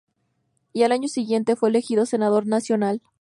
Y al año siguiente fue elegido senador nacional.